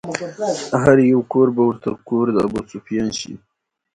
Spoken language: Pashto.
هر يو کور به ورته کور د ابوسفيان شي